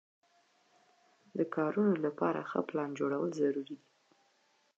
د کارونو لپاره ښه پلان جوړول ضروري دي.